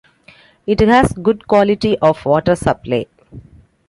It has good quality of Water Supply.